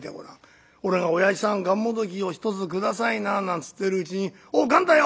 俺が『おやじさんがんもどきを１つ下さいな』なんつってるうちに『おうがんだよ！』